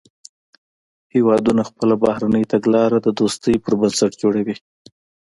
هیوادونه خپله بهرنۍ تګلاره د دوستۍ پر بنسټ جوړوي